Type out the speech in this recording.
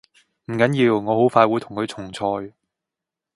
唔緊要，我好快會同佢重賽